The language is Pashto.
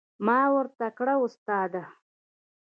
ما ورته کړه استاده.